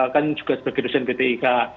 kan juga sebagai dosen pt ika